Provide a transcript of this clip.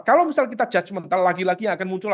kalau misal kita judgement lagi lagi akan muncul